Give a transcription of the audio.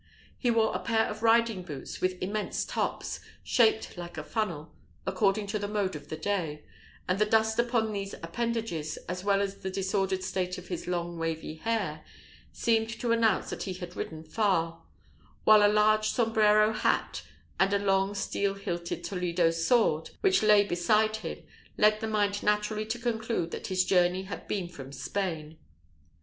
He wore a pair of riding boots, with immense tops, shaped like a funnel, according to the mode of the day, and the dust upon these appendages, as well as the disordered state of his long wavy hair, seemed to announce that he had ridden far; while a large Sombrero hat, and a long steel hilted Toledo sword, which lay beside him, led the mind naturally to conclude that his journey had been from Spain.